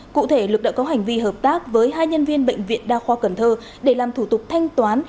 cụ thể lực đã có hành vi hợp tác với hai nhân viên bệnh viện đa khoa cần thơ để làm thủ tục thanh toán